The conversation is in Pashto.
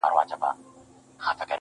شېرينې څه وکړمه زړه چي په زړه بد لگيږي~